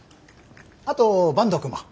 あと坂東くんも。